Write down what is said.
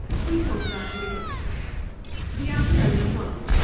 We'll talk about it again." The outer bell had rung.